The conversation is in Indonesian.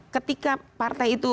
ketika partai itu